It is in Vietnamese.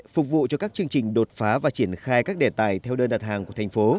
phục vụ cho các chương trình đột phá và triển khai các đề tài theo đơn đặt hàng của thành phố